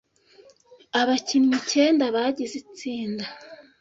Abakinnyi icyenda bagize itsinda.